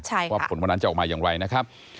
เพราะว่าผลผลันจะออกมายังไวนะครับ